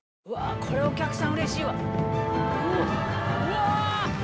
これはお客さんうれしいわ。